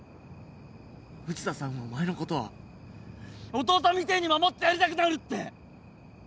藤田さんはお前のことは弟みてえに守ってやりたくなるって！